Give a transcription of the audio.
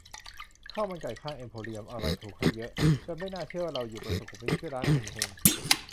ข้าวมันไก่ข้างเอ็มโพเรียม อร่อย ถูก ให้เยอะ จนไม่น่าเชื่อว่าเราอยู่บนสุขุมวิท ชื่อร้าน 'เฮง เฮง'